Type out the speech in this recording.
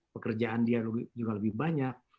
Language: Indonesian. pekerjaan dia juga lebih banyak